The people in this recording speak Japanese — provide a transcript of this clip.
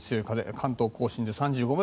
関東・甲信で３５ｍ